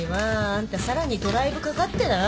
あんたさらにドライブかかってない？